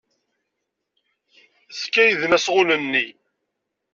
Skeyden asɣun-nni.